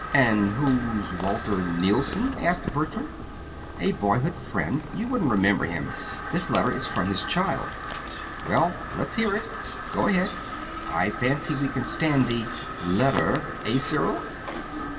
"And who's Walter Neilson?" asked Bertram. "A boyhood friend. You wouldn't remember him. This letter is from his child." "Well, let's hear it. Go ahead. I fancy we can stand the LETTER; eh, Cyril?"